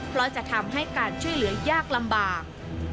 เพราะจะทำให้การช่วยเหลือยากลำบาก